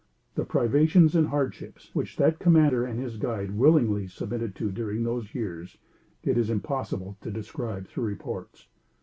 The privates and the hardships which that commander and his guide willingly submitted to during those years, it is impossible to describe through reports.